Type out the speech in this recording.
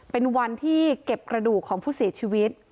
เป็นวันที่เก็บกระดูกของผู้เสียชีวิต